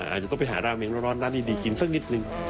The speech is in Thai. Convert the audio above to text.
อาจจะต้องไปหาราเมงร้อนร้านดีกินสักนิดนึง